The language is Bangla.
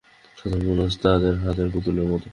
সাধারণ মানুষ তাদের হাতের পুতুলের মতো।